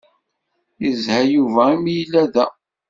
Yezha Yuba imi yella da.